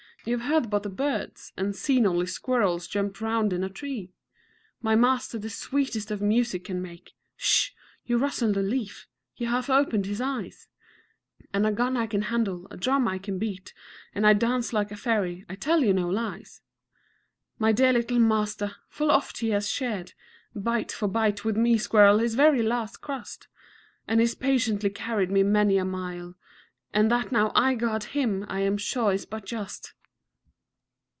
You've heard but the birds, And seen only squirrels jump round in a tree. My master the sweetest of music can make (Sh! you rustled a leaf he half opened his eyes), And a gun I can handle, a drum I can beat, And I dance like a fairy I tell you no lies. My dear little master! full oft he has shared, Bite for bite, with me, squirrel, his very last crust, And he's patiently carried me many a mile, And that now I guard him I am sure is but just.